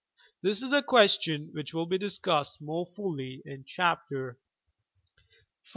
This is a question which will be discussed more fully in Chapter XLI.